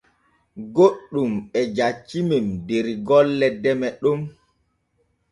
Goɗɗun e jaccimen der golle deme Ɗon.